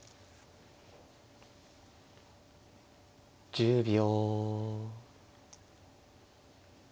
１０秒。